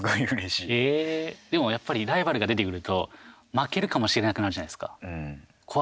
でも、やっぱりライバルが出てくると負けるかもしれなくなるじゃないですか。